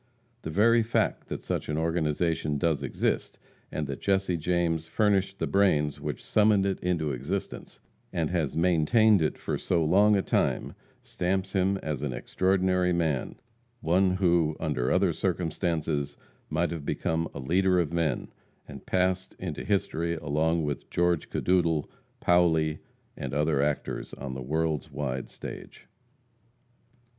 The very fact that such an organization does exist, and that Jesse James furnished the brains which summoned it into existence, and has maintained it for so long a time, stamps him as an extraordinary man one who, under other circumstances, might have become a leader of men, and passed into history along with George Cadoudal, Paoli, and other like actors on the world's wide stage.